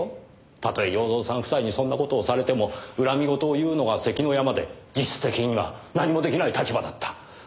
たとえ洋蔵さん夫妻にそんな事をされても恨み言を言うのが関の山で実質的には何も出来ない立場だった。